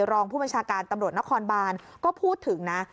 รองผู้บัญชาการตำรวจนครบานก็พูดถึงนะ